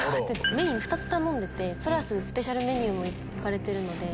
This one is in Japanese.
メイン２つ頼んでてプラススペシャルメニューもいかれてるので。